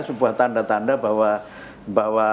sebuah tanda tanda bahwa